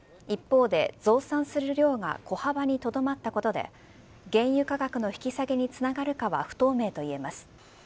一方で、増産する量が小幅にとどまったことで原油価格の引き下げにつながるかは不透明といえます。